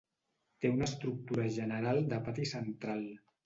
Té una estructura general de pati central.